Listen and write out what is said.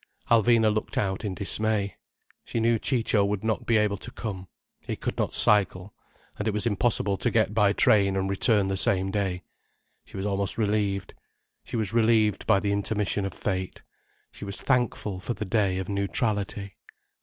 Alvina looked out in dismay. She knew Ciccio would not be able to come—he could not cycle, and it was impossible to get by train and return the same day. She was almost relieved. She was relieved by the intermission of fate, she was thankful for the day of neutrality.